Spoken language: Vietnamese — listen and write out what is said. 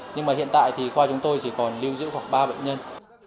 nhưng mà hiện tại thì khoa chúng tôi chỉ còn lưu giữ khoảng ba bệnh nhân